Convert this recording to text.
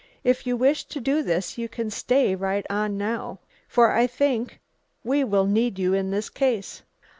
If you wish to do this you can stay right on now, for I think we will need you in this case."